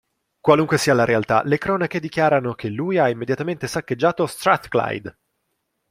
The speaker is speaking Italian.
Qualunque sia la realtà, le cronache dichiarano che "lui ha immediatamente saccheggiato Strathclyde.